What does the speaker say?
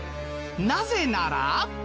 なぜなら。